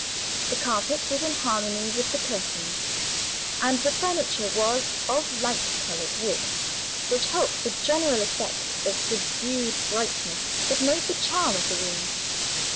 The carpet was in harmony with the curtains; and the furniture was of light colored wood, which helped the general effect of subdued brightness that made the charm of the room.